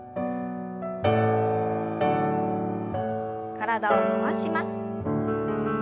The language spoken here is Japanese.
体を回します。